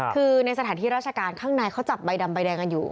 คือในสถานที่ราชการข้างในเขาจับใบดำใบแดงกันอยู่